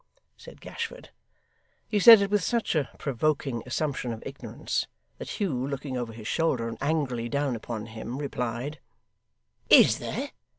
said Gashford. He said it with such a provoking assumption of ignorance, that Hugh, looking over his shoulder and angrily down upon him, replied: 'Is there!